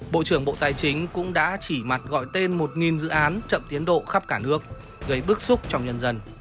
bộ trưởng bộ tài chính cũng đã chỉ mặt gọi tên một dự án chậm tiến độ khắp cả nước gây bức xúc trong nhân dân